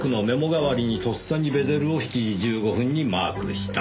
代わりにとっさにベゼルを７時１５分にマークした。